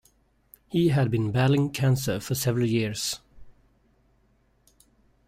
He had been battling cancer for several years.